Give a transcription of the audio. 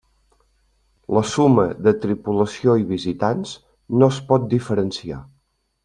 La suma de tripulació i visitants no es pot diferenciar.